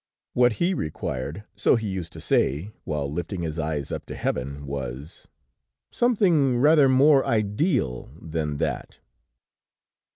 What he required, so he used to say, while lifting his eyes up to heaven was: "Something rather more ideal than that!"